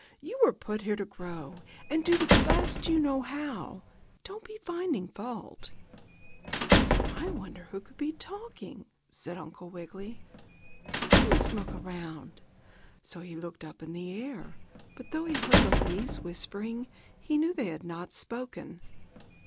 "You were put here to grow, and do the best you know how. Don't be finding fault." "I wonder who can be talking?" said Uncle Wiggily. "I must look around." So he looked up in the air, but though he heard the leaves whispering he knew they had not spoken.